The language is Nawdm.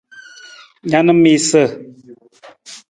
Na na miisa.